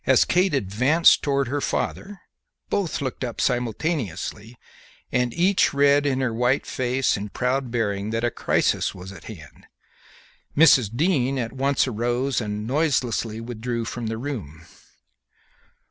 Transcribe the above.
As Kate advanced towards her father both looked up simultaneously, and each read in her white face and proud bearing that a crisis was at hand. Mrs. Dean at once arose and noiselessly withdrew from the room.